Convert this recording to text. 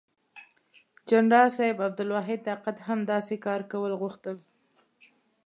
جنرال صاحب عبدالواحد طاقت هم داسې کار کول غوښتل.